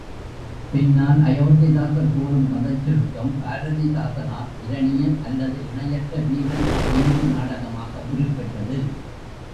பின்னால் அயோத்திதாசர் கூறும் கதைச்சுருக்கம் பாரதிதாசனால் இரணியன் அல்லது இணையற்ற வீரன் எனும் நாடகமாக உருப்பெற்றது.